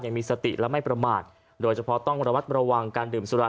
ยังมีสติและไม่ประมาทโดยเฉพาะต้องระวัดระวังการดื่มสุรา